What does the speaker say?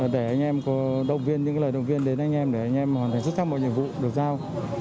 để anh em có đồng viên những lời đồng viên đến anh em để anh em hoàn thành xuất sắc một nhiệm vụ được giao